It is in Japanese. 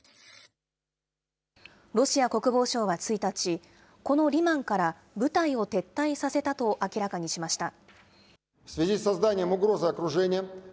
ロシア国防省は１日、このリマンから部隊を撤退させたと明らかにしました。